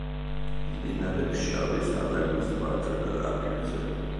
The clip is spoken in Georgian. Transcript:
მდინარე ფშავის არაგვის მარჯვენა ნაპირზე.